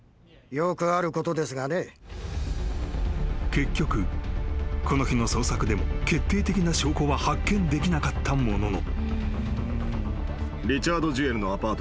［結局この日の捜索でも決定的な証拠は発見できなかったものの］